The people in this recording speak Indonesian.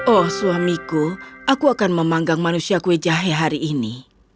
oh suamiku aku akan memanggang manusia kue jahe hari ini